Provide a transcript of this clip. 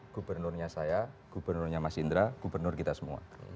gubernurnya saya gubernurnya mas indra gubernur kita semua